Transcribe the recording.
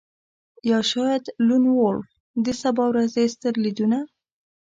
یا شاید لون وولف د سبا ورځې ستر لیدونه